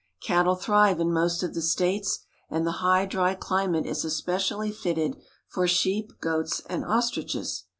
Cattle thrive in most of the states, and the ^^V high, dry climate is especially fitted for sheep, goats, and ^^^ ostriches.